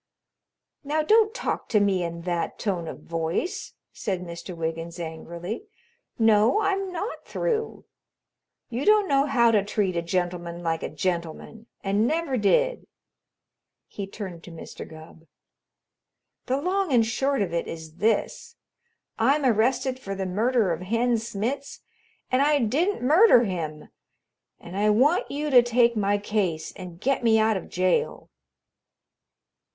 "Now, don't talk to me in that tone of voice," said Mr. Wiggins angrily. "No, I'm not through. You don't know how to treat a gentleman like a gentleman, and never did." He turned to Mr. Gubb. "The long and short of it is this: I'm arrested for the murder of Hen Smitz, and I didn't murder him and I want you to take my case and get me out of jail."